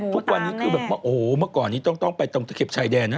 ทุกวันนี้คือแบบว่าโอ้โหเมื่อก่อนนี้ต้องไปตรงตะเข็บชายแดนนะ